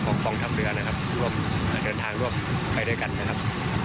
ฟองฟองธรรมเรือนะครับรวมเดินทางร่วมไปด้วยกันนะครับ